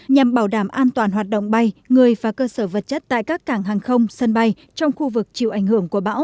nhằm bảo đảm an toàn hoạt động bay người và cơ sở vật chất tại các cảng hàng không sân bay trong khu vực chịu ảnh hưởng của bão